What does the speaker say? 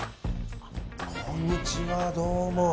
こんにちは、どうも。